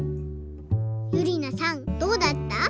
ゆりなさんどうだった？